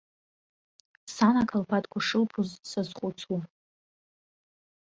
Сан ақлаԥадқәа шылԥоз сазхәыцуа.